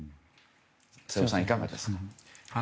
瀬尾さん、いかがですか。